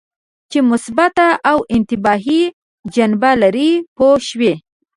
چې مثبته او انتباهي جنبه لري پوه شوې!.